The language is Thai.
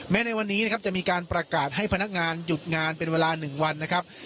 ในวันนี้นะครับจะมีการประกาศให้พนักงานหยุดงานเป็นเวลา๑วันนะครับ